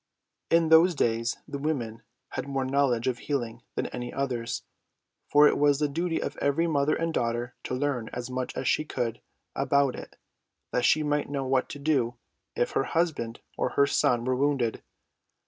In those days the women had more knowledge of healing than any others, for it was the duty of every mother and daughter to learn as much as she could about it that she might know what to do if her husband or her son were wounded.